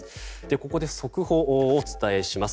ここで速報をお伝えします。